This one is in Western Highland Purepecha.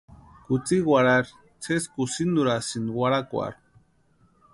Kutsï warhari sési kusïnturhasïni warhakwarhu.